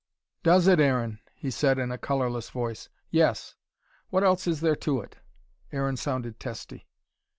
"Does it, Aaron!" he said, in a colorless voice. "Yes. What else is there to it?" Aaron sounded testy.